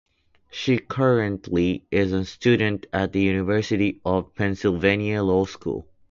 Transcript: She currently is a student at the University of Pennsylvania Law School.